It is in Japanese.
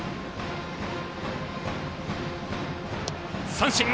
三振！